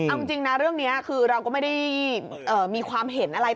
เอาจริงนะเรื่องนี้คือเราก็ไม่ได้มีความเห็นอะไร